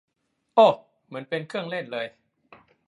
โอ้ เหมือนเป็นเครื่องเล่นเลย